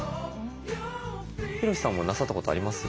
ヒロシさんもなさったことあります？